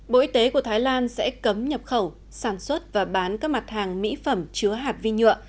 bộ y tế của thái lan sẽ cấm nhập khẩu sản xuất và bán các mặt hàng mỹ phẩm chứa hạt vi nhựa